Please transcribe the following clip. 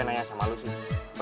nanya sama lu sih